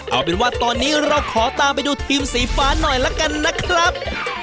เอาเป็นว่าตอนนี้เราขอตามไปดูทีมสีฟ้าหน่อยละกันนะครับ